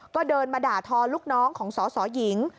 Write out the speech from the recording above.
ก็เดินมาด่าทอลูกน้องของสสหญิง